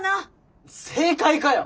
正解かよ！